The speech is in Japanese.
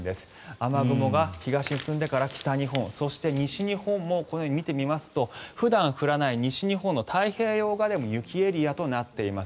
雨雲が東へ進んでから、北日本そして西日本もこのように見てみますと普段降らない西日本の太平洋側でも雪エリアとなっています。